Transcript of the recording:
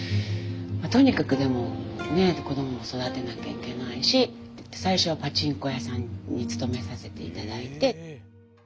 とにかくでもね子どもを育てなきゃいけないし最初はパチンコ屋さんに勤めさせて頂いて。